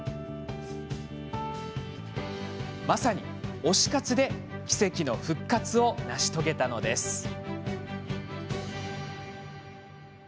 まさに推し活で奇跡の復活を成し遂げたのです。